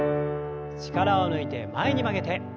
力を抜いて前に曲げて。